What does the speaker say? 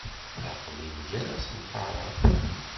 Aql-i mgal asenfar-a.